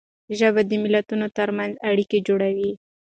ژبه د ملتونو تر منځ اړیکه جوړوي.